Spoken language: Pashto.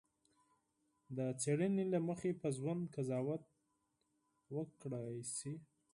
د څېړنې له مخې په ژوند قضاوت وکړای شي.